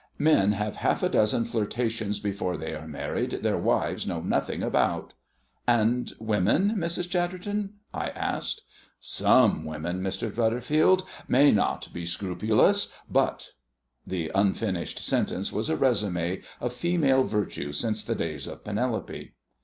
Men have half a dozen flirtations before they are married their wives know nothing about." "And women, Mrs. Chatterton?" I asked. "Some women, Mr. Butterfield, may not be scrupulous. But " The unfinished sentence was a résume of female virtue since the days of Penelope.